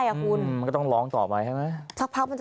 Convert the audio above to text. มันก็ต้องร้องต่อไป